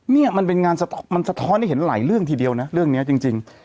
นี่มันเป็นงานมันสะท้อนให้เห็นหลายเรื่องทีเดียวนะเรื่องนี้จริง